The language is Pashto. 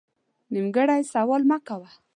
نیمګړی سوال مه کوه